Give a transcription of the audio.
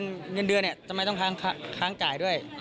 เงินเดือนเนี่ยทำไมต้องค้างจ่ายด้วย